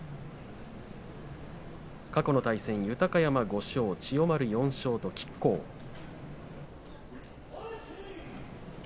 過去の対戦は、豊山５勝千代丸４勝、きっ抗です。